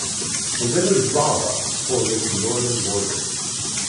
The river Drava formed its northern border.